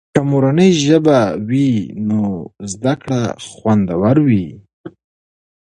که مورنۍ ژبه وي نو زده کړه خوندور وي.